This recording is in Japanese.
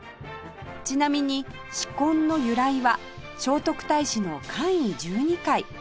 ちなみに紫紺の由来は聖徳太子の冠位十二階